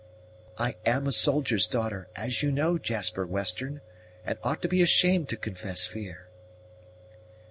"I am a soldier's daughter, as you know, Jasper Western, and ought to be ashamed to confess fear."